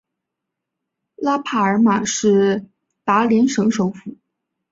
拉帕尔马是达连省首府。